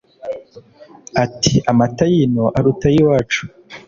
Ati: "Amata y'ino aruta ay'iwacu!